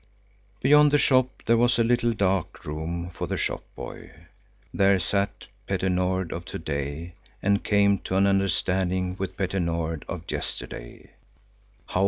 Beyond the shop there was a little dark room for the shop boy. There sat Petter Nord of to day and came to an understanding with Petter Nord of yesterday.